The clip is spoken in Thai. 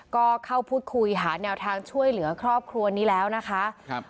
ก็เข้าพูดคุยหาแนวทางช่วยเหลือครอบครัวนี้แล้วนะคะครับ